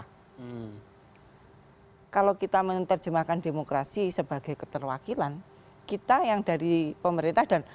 hai kalau kita menerjemahkan demokrasi sebagai keterwakilan kita yang dari pemerintah dan